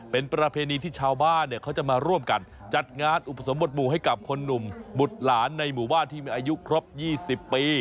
เป็นประเพณีที่ชาวบ้านเนี่ยเขาจะมาร่วมกันจัดงานอุปสมบทหมู่ให้กับคนหนุ่มบุตรหลานในหมู่บ้านที่มีอายุครบ๒๐ปี